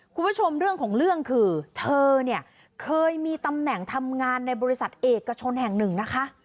คุณผู้ชมเรื่องของเรื่องคือเธอเนี่ยเคยมีตำแหน่งทำงานในบริษัทเอกชนแห่งหนึ่งนะคะ